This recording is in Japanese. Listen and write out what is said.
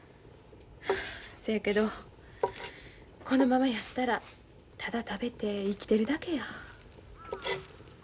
そやけどこのままやったらただ食べて生きてるだけや。